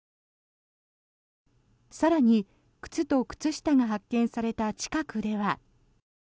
更に、靴と靴下が発見された近くでは。